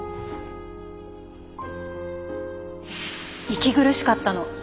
息苦しかったの。